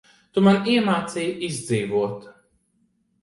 Tu man iemācīji izdzīvot.